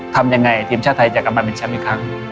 อย่างไรทีมชาติไทยจะกลับมาเป็นชั้นอีกครั้ง